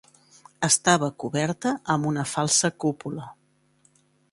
Estava coberta amb una falsa cúpula.